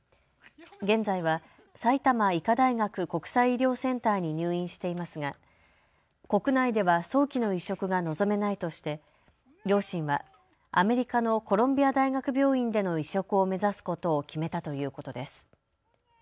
現在は埼玉医科大学国際医療センターに入院していますが、国内では早期の移植が望めないとして両親はアメリカのコロンビア大学病院での移植を目指すことを決めたということです。